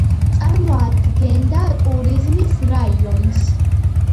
წარმოადგენდა ტურიზმის რაიონს.